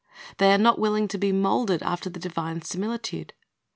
They are not willing to be molded after the divine similitude.